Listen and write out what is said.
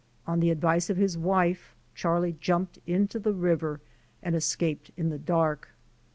On the advice of his wife Charlie jumped into the river and escaped in the dark.